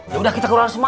yaudah kita keluar semua